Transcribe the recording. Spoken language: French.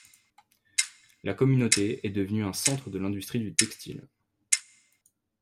La communauté est devenue un centre de l'industrie du textile.